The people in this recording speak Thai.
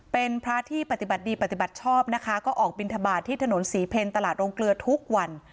เป็นพระที่ปฏิบัติดีปฏิบัติชอบนะคะก็ออกบินทบาทที่ถนนศรีเพลตลาดโรงเกลือทุกวัน